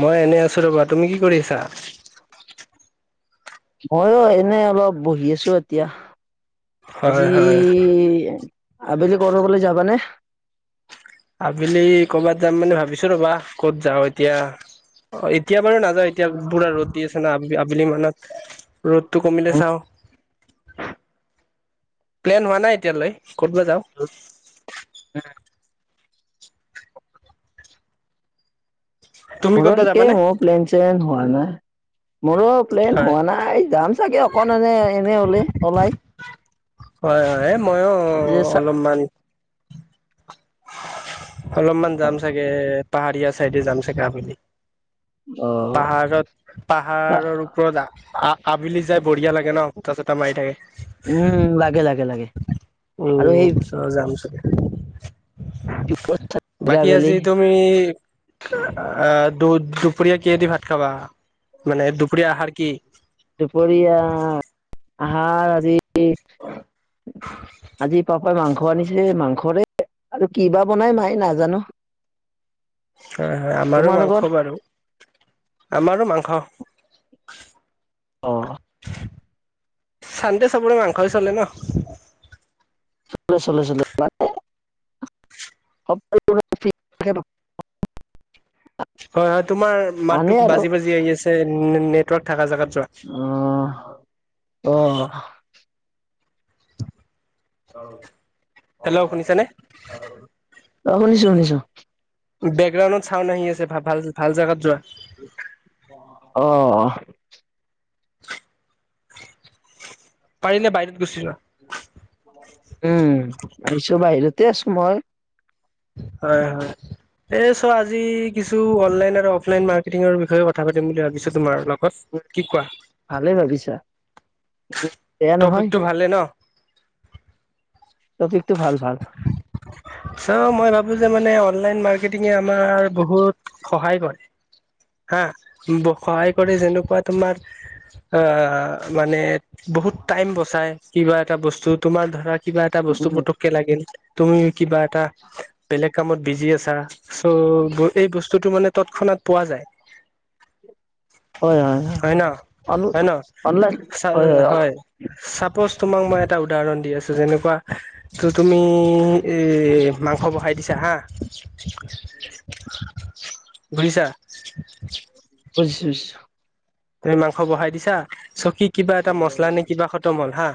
মই এনে আছোঁ ৰবা। তুমি কি কৰি আছা? ময়ো এনে অলপ বহি আছোঁ এতিয়া। আজি হয় হয় আবেলি ক'ৰবালৈ যাবানে? আবেলি কৰ'বাত যাম মানে ভাবিছো ৰ'বা। ক'ত যাওঁ এতিয়া? অ' এতিয়া বাৰু নাযাওঁ এতিয়া পুৰা ৰৰুট আছে না আ আবেলি মানত। ৰ'দটো কমিলে চাওঁ প্লেন হোৱা নাই এতিয়ালৈ? ক'তব যাওঁ। তুমি ঘ ক'তবা কেই যাবানে? হ প্লেন চেন হোৱা নাই। মোৰো প্লেন হয় হোৱা নাই যাম চাগে অকণ এনে এনে ওলে ওলাই। হয় হয় মই যে চা অলপমান। অলপমান যাম চাগে পাহাৰীয়া চাইডে যাম চাগে আবেলি। অ পাহাৰত পাহাৰৰ ওপৰত। আবেলি যাই বঢ়িয় লে ন তা চ এতা মাৰি থাকে। উম লাগে লাগে লাগে আৰু সেই উম যাম চাগে। লাগে বাকী আবেলি আজি তুমি অঁহ। দু দুপৰীয়া কিদি ভাত খাবা মানে দুপৰীয়া আহাৰ কি। দুপৰীয়া আহাৰ আজি। হয়। আজি পাপাই মাংস আনিছে মাংসৰে। আৰু কিবা বনাই মাই নাজানো? হয় হয় আমাৰো তোমালোকৰ মাংস বাৰু আমাৰো মাংস। অ' চানন্তে সবুৰে মাংস বি চৰলে ন। চলে চলে চলে। হঁ তাকেই তো হয় হয় তোমাৰ মাততোক আৰু বাজি বাজি আহি আছে নেটৱৰ্ক থকা জেগাত। যোৱা আহ আহ। অঁ। হেল্ল' শুনিছ নে। অঁ শুনিছো শুনিছো? বেকগ্ৰাউণ্ডত চাউড আহি আছে ভাল ভাল জোগাত যোৱা। আহ। পাৰিলে বাহিৰীত গুচি যোৱা। উম আহিছো বাহিৰতে আছো মই। হয় হয়। এ চোৱা আজি কিছু অনলাইন আৰু অফলাইন মাৰ্কেটিঙৰ বিষয়ে কথা পাতিম বুলি ভাবিছো। তোমাৰ লগ। ভালেই ভাবিছা? বেয়া টপিক নহয় টো ভালে ন। পিকটো ভাল ভাল। চ মই ভাবো যে মানে অনলাইন মাৰ্কেটিঙে আমাৰ বহুত সহায় কৰে। হা সহায় কৰি যেনেকুৱা তোমাৰ। অ' মানে বহুত টাইম বচাই কিবা এটা বস্তু তোমাৰ ধৰা। কিবা এটা বস্তু উম, পতককে লাগিল তুমি কিবা এটা বেলেগ কামত বিজি আছা। চ' এই বস্তুটো মানে তৎক্ষণাত পোৱা যায়। হয় হয়। অন হয় ন হয় চাপজ তোমাক মই। এটা উদাহৰণ দি আছো যেনেকুৱা ত তুমি এ মাংস বহাই দিছা হাঁ। ঘৰিছা? বোজিছো বোজিছো? তুমি মাংস বহাই দিছা। চকী কিবা এটা মচলা নে কিবা খত মল হা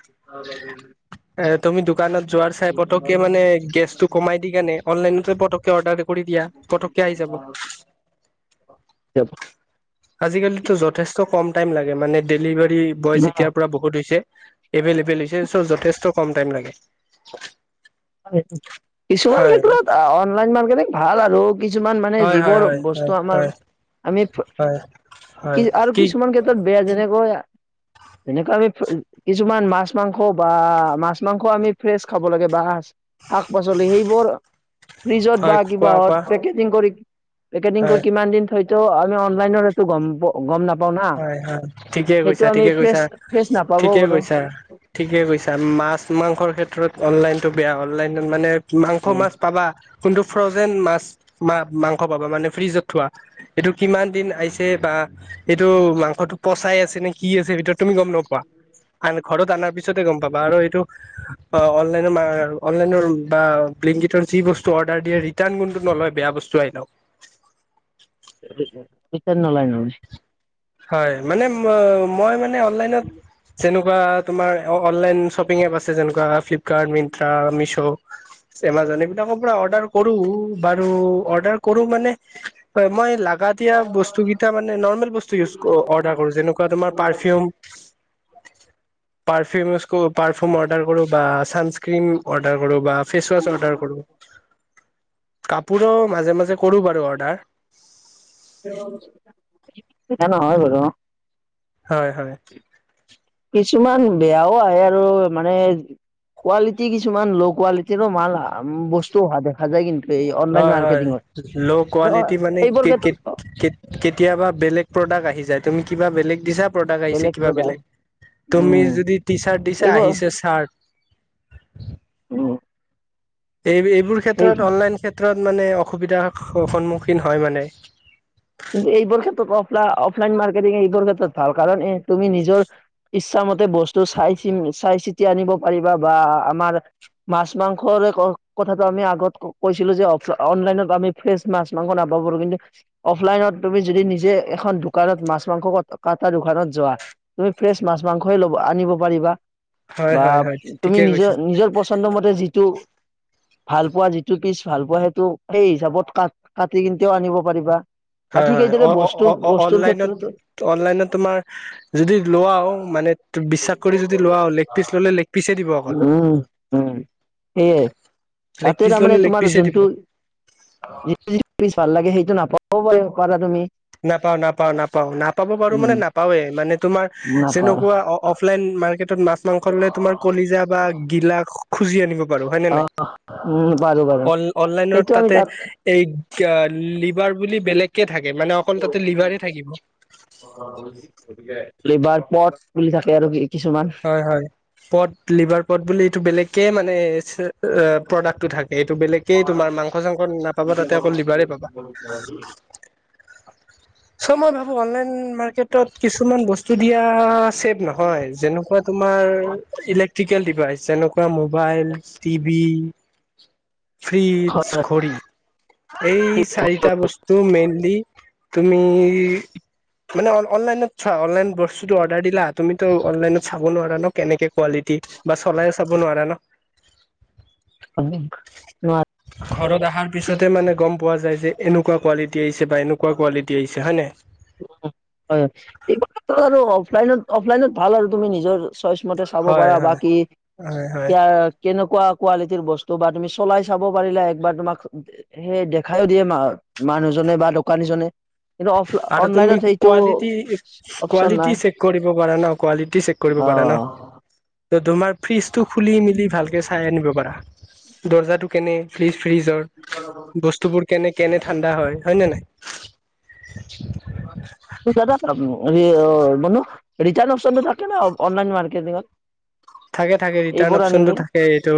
এ তুমি দু। দোকানত যোৱাৰ চাই পতককে মানে গেছ টো কমাই দি কোনে অনলাইনতে পটককে অৰ্ডাৰ কৰি দিয়া পটককে। পটকে আহি যাব। [unintelligible] আজিকালিতটো যথেষ্ট কম টাইম লাগে মানে ডেলিভাৰী বয়জ যেতিয়াৰ পৰা বহুত হৈছে। এভেইলেবল হৈছে চ যথেষ্ট কম টাইম লাগে। কিছুমান হয় ক্ষেত্ৰত অনলাইন মাৰ্কেটিং ভাল আৰু কিছুমান মানে হয় হয় যিবোৰ হয় হয় বস্তু আমাৰ হয় আমি হয় হয় কি আৰু কি কিছুমান ক্ষেত্ৰত বেয়া যেনেকৈ। এনেকুৱা আমি কিছুমান মাছ মাংস বা মাছ মাংস আমি ফ্ৰেছ খাব লাগে বা শাক পাচলি সেইবোৰ ফিজত হয় বা কিবা কোৱা কোৱা পেকেজিং কৰি পেকেজিং হয় কৰি কিমান দিন থয় তো। আমি অনলাইনত সেইটো গম নাপ। হয় হয়। ঠিকে কৈছা, ঠিকে ফ্ৰেছ কৈছা, ফ্ৰেছ নাপাবও ঠিকে পাৰো কৈছা। ঠিকে কৈছা। মাছ মাংসৰ ক্ষেত্ৰত অনলাইন টো বেয়া অনলাইনত মানে মাংস মাছ পাবা। কোনটো ফ্ৰজেন মাছা মাংস পাবা মানে ফ্ৰিজত থোৱা এইটো কিমান দিন আহিছে বা এইটো মাংসটো পচাই আছে নে কি আছে? ভিতৰত তুমি গম নোপোৱা। আন ঘৰত অনাৰ পিছতে গম পাবা আৰু এইটো। অ' অনলাই অনলাইনৰ বা লিংকৰ যি বস্তু অৰ্ডাৰ দিয়ে ৰিটাৰ্ণোনটো নলয় বেয়া ব বস্তু আহিলেওঁ। ৰিৰ্টান নলয়। হয় মানে মই মানে অনলাইনত যেনো কোৱা তোমাৰ অনলাইন শ্বপিং এপ আছে যেনেকুৱা ফ্লিপকাৰ্ট, মিনট্ৰা, মিছু' এমাজন এইবিলাকৰ পৰা অৰ্ডাৰ কৰো বাৰু অৰ্ডাৰ কৰো মানে মই ল গৰীয়া বস্তু কেইটা মানে নৰ্মেল বস্তু উচ অৰ্ডাৰ কৰো। যেনেকুৱাৰ তোমাৰ পাৰফিউম পাৰফিম পাৰফিউম অৰ্ডাৰ কৰো বা চানস্ক্ৰম অৰ্ডাৰ কৰো বা ফেচ ৱাচ অৰ্ডাৰ কৰো কাপোৰৰ মাজে মাজে কৰো বাৰু অৰ্ডাৰ সেনেকা নহয় বাৰু! হয় হয়। কিছুমান বেয়াও আহে, আৰু মানে! কোৱালিটি কিছুমান ল' কোৱালিটিৰো মাল বস্তু অহা দেখা যায় কিন্তু এই অনলাইন হয় হয় মাৰ্কেটিঙত ল' ন কোৱালিটি মানে সেইবোৰ কে কে ক্ষেত্ৰত কেতিয়াবা বেলেগ প্ৰডাক্ট আহি যায়। তুমি কিবা বেলেগ। দিছা প্ৰডাক্ট আহিছে। কিবা বেলেগ তুমি উম যদি টি চাৰ্ট দিছা এইবোৰ আহিছে চাৰ্ট [unintelligible] এই এইবোৰ এই ক্ষেত্ৰত অনলাইন ক্ষেত্ৰত মানে অসুবিধাৰ সন্মুখীন হয় মানে। কিন্তু এইবোৰ ক্ষেত্ৰতফ অফলাইন মাৰ্কেটিং এইবোৰ ক্ষেত্ৰত ভাল কাৰণ এ তুমি নিজৰ ইচ্ছা মতে বস্তু চাই চি চাই চিতি আনিব পাৰিবা বা আমাৰ মাছ মাংস কথাটো আমি আগত কৈছিলো যে অনলাইনত আমি ফ্ৰেছ মাছ মাংস ন নাপাব পাৰো কিন্তু অফলাইনত তুমি যদি নিজে এখন দোকানত মাছ মাংস কটা দোকানত যোৱা তুমি ফ্ৰেছ মাছ মাছ -মাংসই লব আনিব পাৰিবা হয় বা হয় হয় তুমি ঠিকে নিজৰ কৈছা নিজৰ পচন্দ মতে যিটো ভাল পোৱা যিটো পিচ ভাল পোৱা সেইটো সেই হিচাপত ক কাটি কিন্ততেও আনিব পাৰিবা। বা হয় ঠিক হয়। সেইদৰে বস্তু অ' বস্তুৰ অ'অনলাইনত ক্ষেত্ৰতো অনলাইনত তোমাৰ যদি লোৱাও মানে মানে বিশ্বাস কৰি যদি লোৱা। লেগ পিচ ল'লে লেগ পিচ দিব অকল উম উম সেয়ে লেগ তাতে পিচ তাৰ ললে মানে লেগ তোমাৰ পিচে দিব যোনটো যিটো যি প ভাল লাগে সেইটো নাপাবওঁ পাৰিব পাৰা তুমি নাপাওঁ, নাপাওঁ, নাপাওঁ নাপাব পাৰো উম মানে নাপাৱেই মানে তোমাৰ নাপা যেনেকুৱা অফলাইন মাৰ্কেট মাছ মাংস লৈ তোমাৰ কলিজা বা গিলা খুজি আনিব পাৰো হয় নে অ নাই? উম পাৰো পাৰো অনলাইনত সেইটো আমি তাতে তাত এই লিভাৰ বুলি বেলেগ। থাকে মানে অকল তাতে লিভাৰে থাকিব। লিভাৰ পট বুলি থাকে। আৰু কি! হয় হয়। পট লিভাৰ পট বুলি এইটো বেলেগকে মানে প্ৰডাক্টটো থাকে। এইটো বেলেগকেই তোমাৰ মাংস চাংস নাপাবা তাতে অকৌ লিভাৰে পাবা চ মই ভাবো অনলাইন মাৰ্কেটত কিছুমান বস্তু। দিয়া চেত নহয় যেনেকুৱা তোমাৰ। ইলে্ট্ৰিকেল ডিভাইচ যেনেকুৱা মোবাইল টিভি হয়। ফ্ৰিজ ঘড়ী। এই চাৰিটা বস্তু মেইনলি তুমি তুলি অনলাইনত ছোৱা অনলাইন বস্তুটো অৰ্ডাৰ দিলা তুমি চাব নোৱাৰা ন কেনেকে কোৱালিটি বা চলাই চাব নোৱাৰা ন। ঘৰত অহাৰ পিছতে মানে গম পোৱা যায় যে এনেকুৱা কোৱালিটী আহিছে। বা এনেকুৱা কোৱালিটি আহিছে হয় নাই। হয় এইবোৰ আৰু অফলাইনত অফলাইনত ভাল আৰু তুমি নিজৰ। চাব হয় পাৰা বা হয় কি হয় হয় অঁ কিনো। কোৱা কোৱালিটিৰ বস্তু বা তুমি চলাই চাব পাৰিলা একবাৰ তোমাক সেই দেখাইও দিয়ে মা মানুহজনে বা দোকানীজনে কিন্তু অফ আৰু তুমি অনলাইনত সেইটো কোৱালিটি অপচন নাই কোৱালিটি চেক কৰিব পাৰা ন কোৱালিটি চেক কৰিব পাৰা ন। অঁ তোমাৰ ফ্ৰীজ টো খুলিমেলি ভালকৈ চাই আনিব পাৰা। দৰ্জাটো কেনে ফ্ৰীজ। ফ্ৰিজৰ বস্তুবোৰ কেনে কেনে ঠাণ্ডা হয় হয় নে নাই। অঁ মান ৰিটাৰ্ণ অশনটো থাকে ন অনলাইন মাৰ্কেটিঙত থাকে থাকে ৰিটাৰ্ণ এইবোৰ আনিলে অপচনটো থাকে এইটো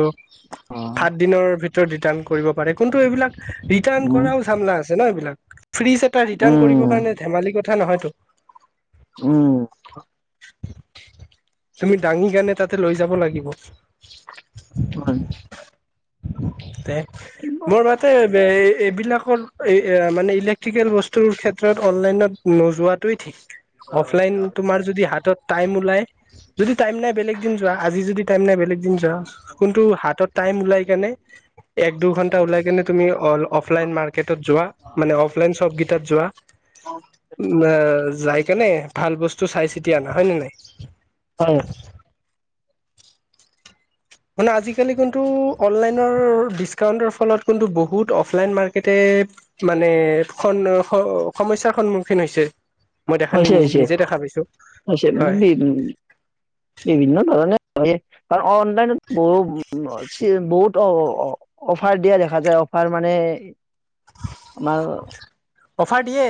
অ সাত দিনৰ ভিতৰত ৰিটাৰ্ণ কৰিব। কিন্তু এইবিলাক ৰিটাৰ্ উম কৰাও চামলা আছে ন এইবিলাক। ফ্ৰিজ এটা ৰিটাৰ্ণ উম কৰিবৰ কাৰণে ধেমালি কথা নহয়তটো। উম। তুমি দাঙি কিণে তাতে লৈ যাব লাগিব। হয় মোৰ মা এইবিলাকৰ মানে ইলেক্ট্ৰিকেল বস্তুৰ ক্ষেত্ৰত অনলাইনত নোযোৱাটোৱেই ঠিক অফলাইন তোমাৰ যদি হাতত টাইম ওলাই যদি টাইম নাই বেলেগ যোৱা আজি যদি টাইম নাই বেলেগ দিন যোৱা কোনটো হাতত টাইম ওলাই কেনে দুঘন্টা ওলাই কেনে তুমি অঁ অফলাইন মাৰ্কেটত যোৱা মানে অফলাইন শ্বপকেইটাত যোৱা উ যাই কেণে ভাল বস্তু চাই চিতি অনা হয় ন নাই। হয়। মানে আজিকালি কিন্তু অনলাইনৰ ডিচকাউন্টৰ ফলত কিন্তু বহুত অফলাইন মাৰ্কেটে। মানে সমস্যাৰ সন্মুখীন হৈছে মই দেখা নাই হৈছে, নিজ হৈছে, নিজে দেখা পাইছো হৈছে হয় বি বিভিন্ন ধৰণে হয় কাৰ অনলাইনত বহু উ। বহুত অ অফাৰ দিয়া দেখা যায় অফাৰ মানে। আৰু অফাৰ দিয়ে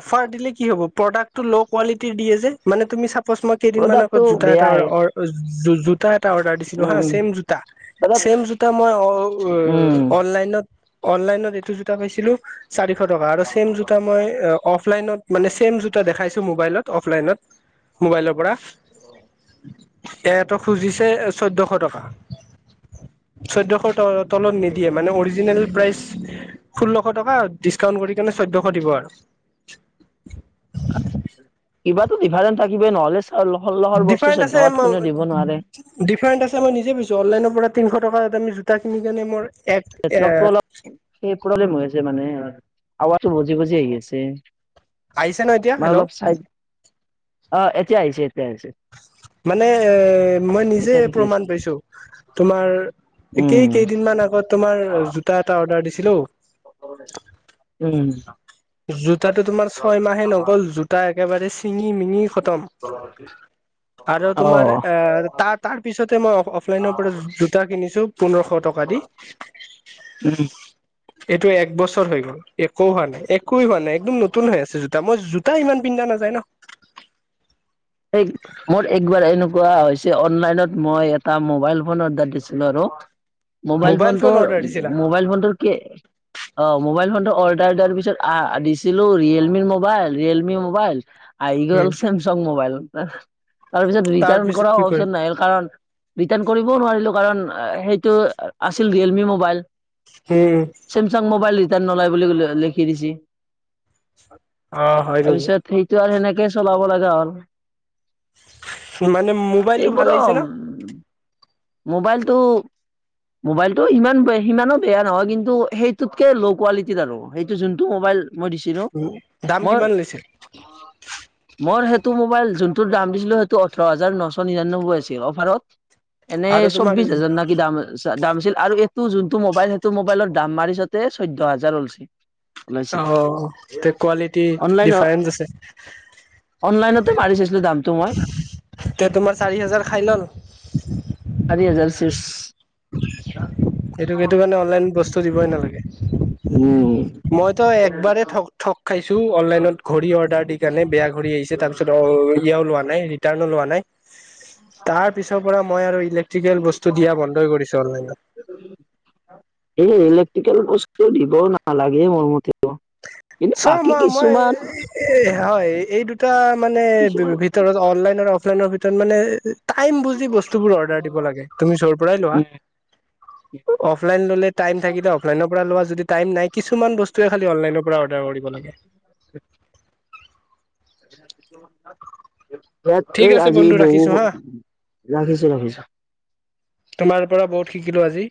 অফাৰ দিলে কি হব প্ৰদাকটো ল কোৱালিটী দিয়ে যে মানে তুমি। মই কেই দিনমান আগত প্ৰডাক্টটো জোতা বেয়া এটা আহে জোতা জোতা এটা অৰ্ডাৰ দিছিলো হা উম উম ছেম জোতা দাদা চছেম জোতা মই উম অঁ অনলাইনত অনলাইনত এইটো জোতা পাইছিলো চাৰিশ টকা। চছেম জোতা মই অ অফলাইনত মানে চছেম জোতা দেখাইছো মোবাইলত। অফলাইনত মোবাইলৰ পৰা উ [unintelligible] এটা খুজিছে চৈধ্যশ টকা চৈধ্যশ টকা। তলত নিদিয়ে মানে অৰিজীনেল প্ৰাইজ দিছকাউণ্ট কৰি কেনে সেইকাৰণে চৈধ্যয়শ দিব আৰু কিবাতো ডিফাৰেন্ট থাকিই নহলেজ। ডিফাৰেণ্ট আছে নোৱাৰে ডিফাৰেণ্ট আছে মই নিজে বুজছো অনলাইনৰ পৰা। তিশ টকা আমি জোতা কিনি কেনে আমাৰ। অলপ স প্ৰব্লেম হৈ আছে মানে আৱাজটো বজি বজি আহি আছে আহিছে ন এতিয়া মানে হেল্ল'। অলপ চাইড অ এতিয়া আহিছে এতিয়া আহিছে। মানে এ মই নিজে এতিয়া ঠিকে প্ৰমাণ আছে পাইছো তোমাৰ কেই উম কেইদিনমান আগত তোমাৰ জোতা এটা অৰ্ডাৰ দিছিলো উম জোতাটো তোমাৰ ছয়মাহে নগ'ল জোতা এক। একেবাৰে চিঙি মিঙি খতম। আৰু অ তোমাৰ তাৰ তাৰ পিছতে মই অফলাইনৰ পৰা জোতা কিনিছো পোন্ধৰশ টকা দি উম এইটো এক বছৰ হৈ গ'ল একো হোৱা নাই একো হোৱা নাই একদম নতুন হৈ আছে জোতা মই তা ইমান পিন্ধা নাযায় ন এই মোৰ একবাৰ এনেকোৱা হৈছে অনলাইনত মই এটা মোবাইল ফোন অৰ্ডাৰ দিছিলো আৰু মোবাইল ফোন টো মোবাইল ফোনটো কি অ মোবাইল ফনটোৰ অৰ্ডাৰ দিয়াৰ পিছত দিছিলো ৰিয়েলমিৰ মোবাইল ৰিয়েলমি মোবাইল আৰু গ'ল উম চেমচং মোবাইল। তাৰপিছত তাৰ ৰিটাৰ্ণ পিছত কৰা কি কৰিম অপশন নাই কাৰণ ৰিটাৰ্ণ কৰিবও নোৱাৰিলো কাৰণ সেইটো আছিল ৰিয়েলমি মোবাইল উম চেমচাং মোবাইল নলাই বুলি লিখি দিছে। অ হয় নেকি তাৰপিছত সেইটো আৰু সেনেকেই চলাব লগা হ'ল মানে মোবাইলটো ভাল এইবৰো আহিছে উ ন মোবাইলটো মোবাইলটো ইমান সিমানো বেয়া নহয় কিন্তু সেইটোতকে ল' কোৱালিটিত আৰু সেইটো যোনটো মোবাইল মই দিছিলো দাম মই কিমান লৈছে মোৰ। টো মোবাইল যোনটোৰ দাম দিছিলো সেইটো ওঠৰ হাজাৰ নশ নিৰান্নব্বৈ আছিল অফাৰত এনে আৰু তোমাৰ চৌবিশ হাজাৰ নাকি দাম দামছিল আৰু এইটো যোনটো মোবাইল সেইটো মোবাইলৰ দাম মাৰিছতে চৈধ্য হাজাৰ ওলাইছে। আহ তে কোৱালিটি অনলাইন ডিফাৰেন্ঞ্চ আছে অনলাইনতে মাৰিছে এয়া তোমাৰ চাৰি হাজাৰ খাই লল চাৰি হাজাৰ শেষ এইটো এইটো কাৰণে অনলাইন বস্তু দিবই নালাগে উম মইতো একবাৰে ঠগ ঠগ খাইছো অনলাইনত ঘড়ী অৰ্ডাৰ দি কাৰণে বেয়া ঘড়ী আহিছে তাৰপিছত অ ইয়াও লোৱা নাই। লোৱা নাই তাৰপিছৰপৰা মই আৰু ইলেকট্ৰিকেল বস্ত দিয়া বন্ধ কৰি দিলো সেই ইলেক্ট্ৰিকেল বস্ত চ দিব নালাগে মোৰ মতেটো চ মই মই হয় এই দুটা মানে কিছুমান ভিতৰত অনলাইন অফলাইনৰ ভিতৰত মানে টাইম বুজি বস্তুবোৰ অৰ্ডাৰ দিব লাগে তুমি যৰ পৰাই লোৱা। অফলাইন ললে টাইম থাকিলে অফলাইনৰ পৰা লোৱা। য টাই নাই কিছুমান বস্তুহে খালি অনলাইনৰ পৰা অৰ্ডাৰ কৰিব লাগে। [inaudible] [inaudible] সয়াত ঠিক কেই আছে আজি বন্ধু বহ ৰাখিছো হা ৰাখিছো ৰাখিছো তোমাৰ পৰা বহুত শিকিলো আজি